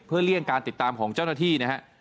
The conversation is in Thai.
เพื่อเลี่ยงการติดตามของเจ้าหน้าที่นะฮะ